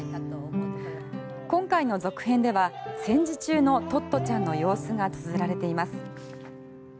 今回の続編では戦時中のトットちゃんの様子がつづられています。